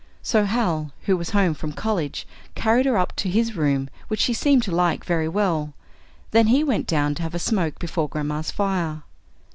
So Hal, who was home from college, carried her up to his room, which she seemed to like very well. Then he went down to have a smoke before grandma's fire.